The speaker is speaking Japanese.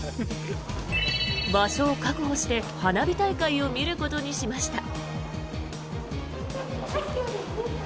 場所を確保して花火大会を見ることにしました。